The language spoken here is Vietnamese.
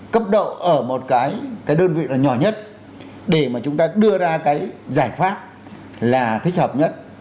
cấp độ ở một cái đơn vị là nhỏ nhất để mà chúng ta đưa ra cái giải pháp là thích hợp nhất